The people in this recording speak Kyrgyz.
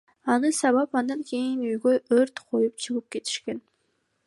Аны сабап, андан кийин үйгө өрт коюп чыгып кетишкен.